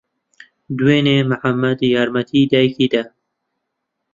دوێنێ محەممەد یارمەتی دایکی دا؟